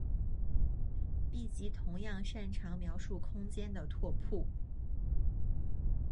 闭集同样擅长描述空间的拓扑。